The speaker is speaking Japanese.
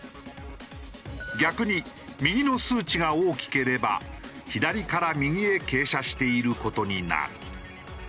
逆に右の数値が大きければ左から右へ傾斜している事になる。